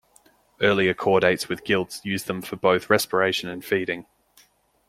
Earlier chordates with gills used them for both respiration and feeding.